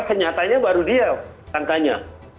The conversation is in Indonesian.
senyatanya baru dia tersangkanya